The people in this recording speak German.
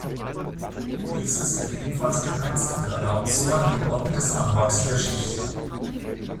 Dieses wird ebenfalls geheizt und erlaubt so ein geordnetes Anwachsen der Schicht.